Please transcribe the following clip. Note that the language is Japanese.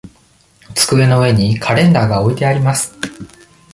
机の上にカレンダーが置いてあります。